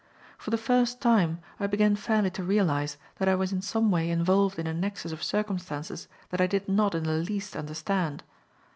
For the first time, I began fairly to realize that I was in some way involved in a nexus of circumstances that I did not in the least understand.